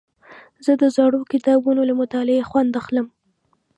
زه د زړو کتابونو له مطالعې خوند اخلم.